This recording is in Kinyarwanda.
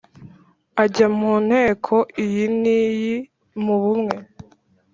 ajya mu nteko iyi n’iyi mu bumwe